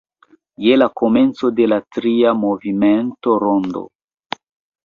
Je la komenco de la tria movimento "rondo.